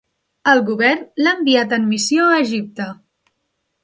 El govern l'ha enviat en missió a Egipte.